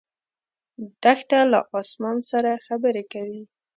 دښته له اسمان سره خبرې کوي.